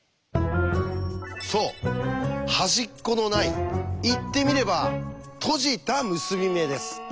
そう端っこのない言ってみれば閉じた結び目です。